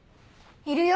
いるよ！